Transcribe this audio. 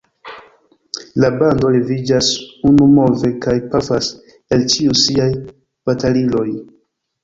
La bando leviĝas unumove kaj pafas el ĉiuj siaj bataliloj.